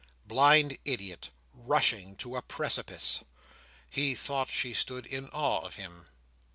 Blind idiot, rushing to a precipice! He thought she stood in awe of him.